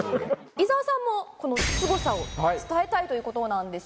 伊沢さんもこのすごさを伝えたいということなんですよね？